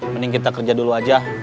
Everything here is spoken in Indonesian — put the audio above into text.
mending kita kerja dulu aja